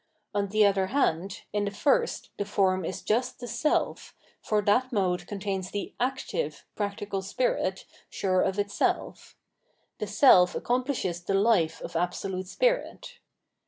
On the other hand, in the first the form is just the self, for that mode contains the active practical spirit sure of gOS Phenom&notogy oj MinA itself ; the self accomplishes the life of Absolute Spmt.